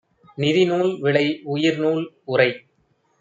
நிதிநூல்விளை! உயிர்நூல்உரை